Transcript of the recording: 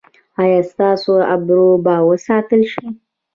ایا ستاسو ابرو به وساتل شي؟